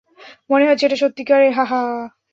মনে হচ্ছে এটা সত্যিকারের, হাহ?